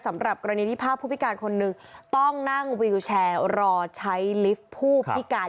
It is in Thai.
สำหรับกรณีที่ภาพผู้พิการคนหนึ่งต้องนั่งวิวแชร์รอใช้ลิฟต์ผู้พิการ